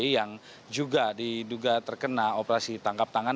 yang juga diduga terkena operasi tangkap tangan